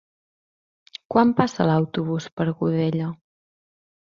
Quan passa l'autobús per Godella?